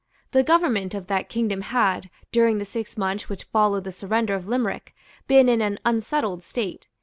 The government of that kingdom had, during the six months which followed the surrender of Limerick, been in an unsettled state.